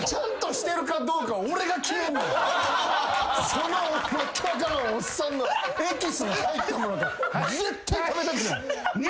その訳分からんおっさんのエキスの入ったもんなんか絶対食べたくない。